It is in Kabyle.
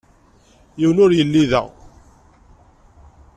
Yiwen ur yelli da.